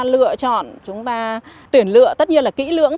lựa chọn chúng ta tuyển lựa tất nhiên là kỹ lưỡng